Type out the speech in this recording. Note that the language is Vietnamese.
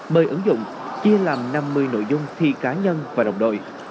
mời ứng dụng chia làm năm mươi nội dung thi cá nhân và đồng đội